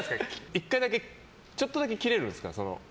１回だけ、ちょっとだけキレるんですか。